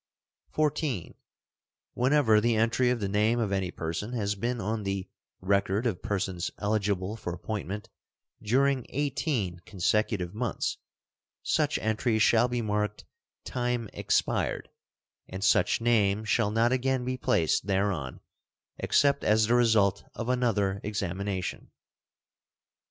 (14) Whenever the entry of the name of any person has been on the "Record of persons eligible for appointment" during eighteen consecutive months, such entry shall be marked "Time expired," and such name shall not again be placed thereon except as the result of another examination.